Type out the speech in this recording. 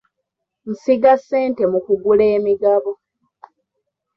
Nsiga ssente mu kugula emigabo.